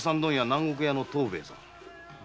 南国屋の藤兵衛さんです。